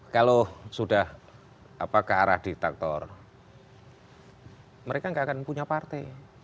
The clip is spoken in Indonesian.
kalau sudah ke arah diktator mereka nggak akan punya partai